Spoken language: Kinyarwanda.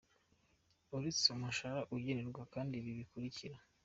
Uretse umushahara, agenerwa kandi ibi bikurikira:.